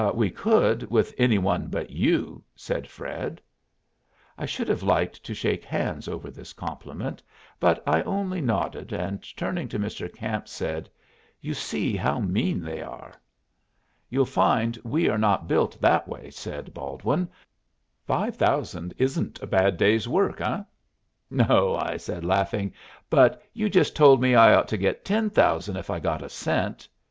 "We could with any one but you," said Fred. I should have liked to shake hands over this compliment, but I only nodded, and turning to Mr. Camp, said, "You see how mean they are." "You'll find we are not built that way," said Baldwin. "Five thousand isn't a bad day's work, eh?" "No," I said, laughing; "but you just told me I ought to get ten thousand if I got a cent."